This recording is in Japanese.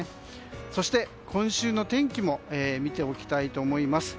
そして、今週の天気も見ておきたいと思います。